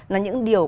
là những điều